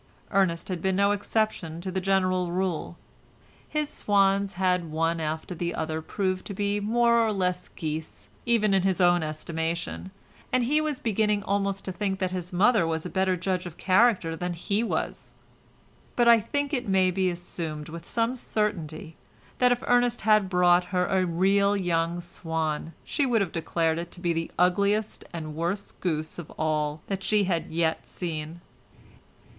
Ernest had been no exception to the general rule. His swans had one after the other proved to be more or less geese even in his own estimation, and he was beginning almost to think that his mother was a better judge of character than he was; but I think it may be assumed with some certainty that if Ernest had brought her a real young swan she would have declared it to be the ugliest and worst goose of all that she had yet seen.